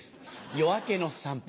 『夜明けの散歩』